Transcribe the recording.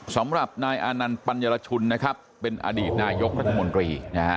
สำหรับนายอานัลปัญญลชุนเป็นอดีตนายกรัฐมนตรี